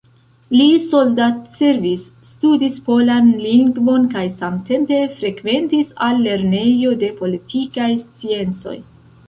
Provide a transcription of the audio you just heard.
Li soldatservis, studis polan lingvon kaj samtempe frekventis al Lernejo de Politikaj Sciencoj.